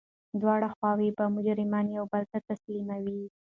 دواړه خواوي به مجرمین یو بل ته تسلیموي.